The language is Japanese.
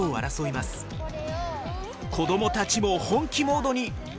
子どもたちも本気モードに。